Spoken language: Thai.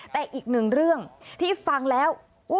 แต่อีกหนึ่งเรื่องที่ฟังแล้ว